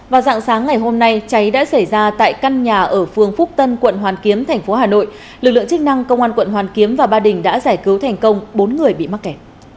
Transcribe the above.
vào dạng sáng ngày hôm nay cháy đã xảy ra tại căn nhà ở phường phúc tân quận hoàn kiếm thành phố hà nội lực lượng chức năng công an quận hoàn kiếm và ba đình đã giải cứu thành công bốn người bị mắc kẹt